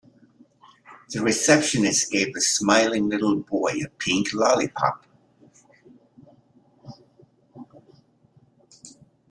The receptionist gave the smiling little boy a pink lollipop.